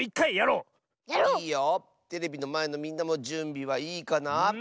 テレビのまえのみんなもじゅんびはいいかな？